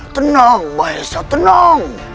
tenang maesah tenang